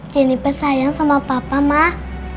jennifer sayang sama papa mah